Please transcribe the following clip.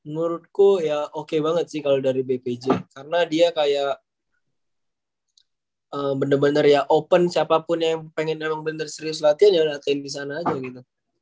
menurutku ya oke banget sih kalau dari bpj karena dia kayak bener bener ya open siapapun yang pengen emang bener serius latihan ya latihan di sana aja gitu